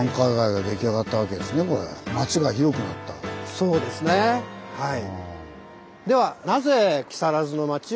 そうですねはい。